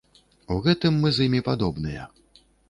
У гэтым мы з імі падобныя.